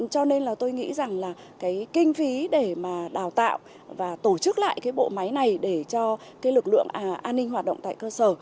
cho nên là tôi nghĩ rằng là cái kinh phí để mà đào tạo và tổ chức lại cái bộ máy này để cho cái lực lượng an ninh hoạt động tại cơ sở